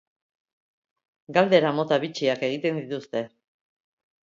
Galdera mota bitxiak egiten dituzte.